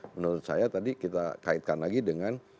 menurut saya tadi kita kaitkan lagi dengan